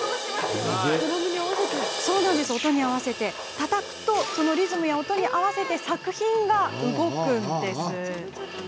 たたくと、そのリズムや音に合わせて作品が動くんです。